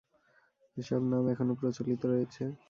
এসব নাম এখনও প্রচলিত রয়েছে।